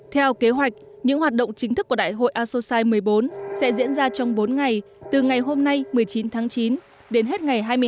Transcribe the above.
theo kế hoạch những hoạt động chính thức của đại hội asosai một mươi bốn sẽ diễn ra trong bốn ngày từ ngày hôm nay một mươi chín tháng chín đến hết ngày hai mươi hai tháng chín năm hai nghìn một mươi tám